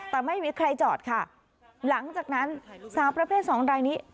แต่ไม่มีใครจอดค่ะหลังจากนั้นสาวประเภทสองรายนี้